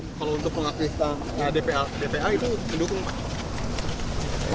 kalau untuk mengakses dpa itu mendukung pak